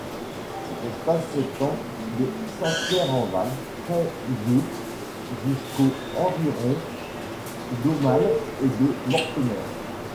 Cet espace s'étend de Saint-Pierre-en-Val, près d'Eu jusqu'aux environs d'Aumale et de Mortemer.